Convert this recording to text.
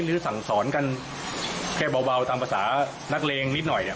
สั่งสอนกันแค่เบาตามภาษานักเลงนิดหน่อยเนี่ย